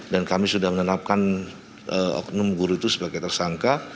dan kami sudah menetapkan oktum guru itu sebagai tersangka